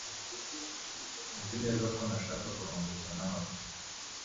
Nzi neza ko ntashaka kurongorwa nawe